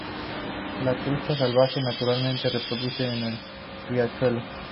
La trucha salvaje naturalmente reproduce en el riachuelo.